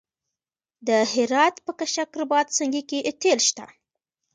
د هرات په کشک رباط سنګي کې تیل شته.